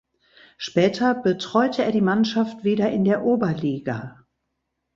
Später betreute er die Mannschaft wieder in der Oberliga.